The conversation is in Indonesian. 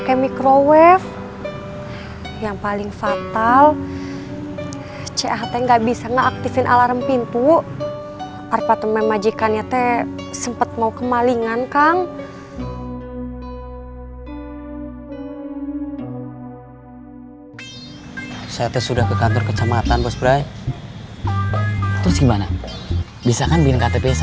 kurang listida memang mereka